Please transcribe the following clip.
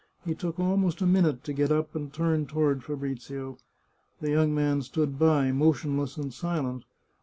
He took almost a minute to get up and turn toward Fa brizio. The young man stood by, motionless and silent.